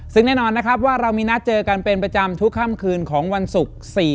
ซึ่งแน่นอนนะครับว่าเรามีนัดเจอกันเป็นประจำทุกค่ำคืนของวันศุกร์